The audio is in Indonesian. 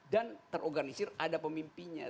dan terorganisir ada pemimpinnya